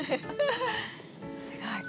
すごい。